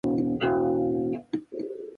青森県つがる市